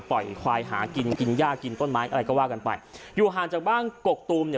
ควายหากินกินย่ากินต้นไม้อะไรก็ว่ากันไปอยู่ห่างจากบ้านกกตูมเนี่ย